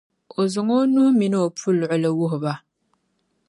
o zaŋ o nuhi min’ o puluɣili wuhi ba.